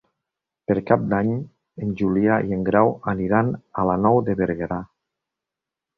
Per Cap d'Any en Julià i en Grau aniran a la Nou de Berguedà.